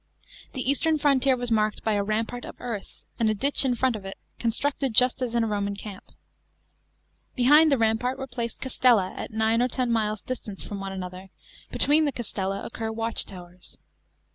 The eastern frontier was marked by a rampart of earth, and a ditch in front of it, con struct 3d just as in a Roman camp. Behind the rampart were placed castella at nine or ten miles' distance from one another; between 'he castella occur watch towers.